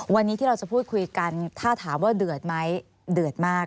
วันนี้ที่เราจะพูดคุยกันถ้าถามว่าเดือดไหมเดือดมาก